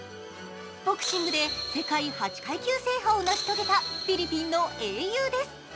ボクシングで世界８階級制覇を成し遂げたフィリピンの英雄です。